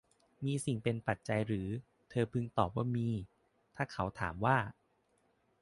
มีสิ่งเป็นปัจจัยหรือ เธอพึงตอบว่ามีถ้าเขาถามว่า